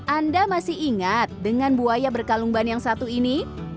anda masih ingat dengan buaya berkalumban yang satu ini